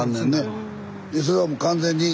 いやそれはもう完全に。